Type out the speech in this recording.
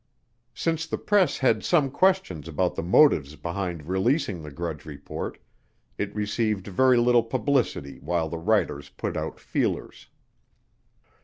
Since the press had some questions about the motives behind releasing the Grudge Report, it received very little publicity while the writers put out feelers.